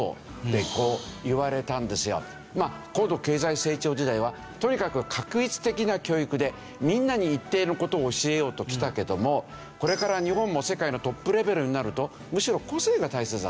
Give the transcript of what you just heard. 高度経済成長時代はとにかく画一的な教育でみんなに一定の事を教えようときたけどもこれから日本も世界のトップレベルになるとむしろ個性が大切だと。